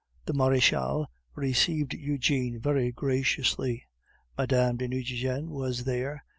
The Marechale received Eugene most graciously. Mme. de Nucingen was there.